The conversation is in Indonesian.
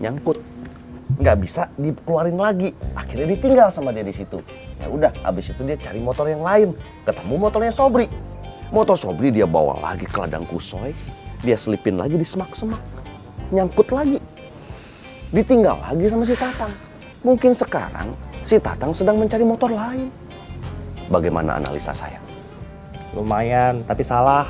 nyamput nggak bisa dikeluarin lagi akhirnya ditinggal sama dia disitu udah abis itu dia cari motor yang lain ketemu motornya sobri motor sobri dia bawa lagi ke ladang kusoi dia selipin lagi di semak semak nyamput lagi ditinggal lagi sama si tatang mungkin sekarang si tatang sedang mencari motor lain bagaimana analisa saya lumayan tapi salah